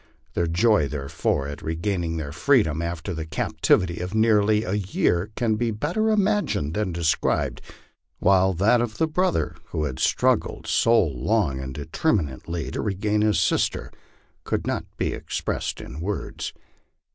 Their joy therefore at regaining their freedom after a cap tivity of nearly a year can be better imagined than described ; while that of the brother who had struggled so long and determinedly to regain his sister could not be expressed in words.